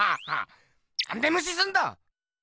なんでむしすんだ！